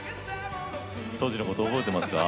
当時のこと覚えていますか？